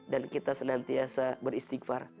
dan kita senantiasa beristighfar